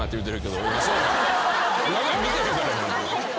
中身見てへんから。